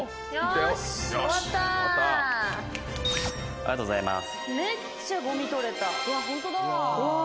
ありがとうございます。